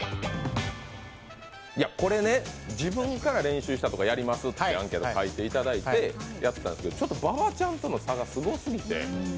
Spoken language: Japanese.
これね、自分から練習したとかやりますとアンケート書いていただいてやったんですけどちょっと馬場ちゃんとの差がすごすぎて。